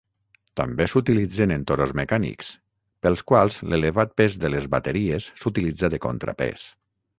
També s'utilitzen en toros mecànics, pels quals l'elevat pes de les bateries s'utilitza de contrapès.